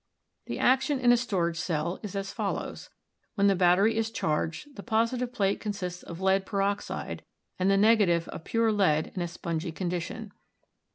The action in a storage cell is as follows. When the battery is charged the positive plate consists of lead pe roxide and the negative of pure lead in a spongy condi tion.